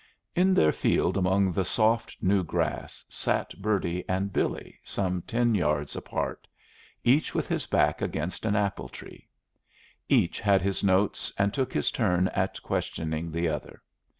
In their field among the soft new grass sat Bertie and Billy some ten yards apart, each with his back against an apple tree. Each had his notes and took his turn at questioning the other.